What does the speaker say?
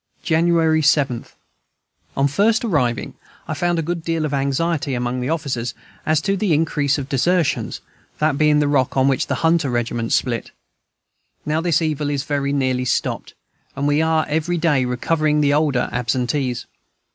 January 7. On first arriving, I found a good deal of anxiety among the officers as to the increase of desertions, that being the rock on which the "Hunter Regiment" split. Now this evil is very nearly stopped, and we are every day recovering the older absentees.